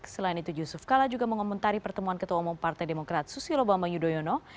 selain itu yusuf kala juga mengomentari pertemuan ketua umum partai demokrat susilo bambang yudhoyono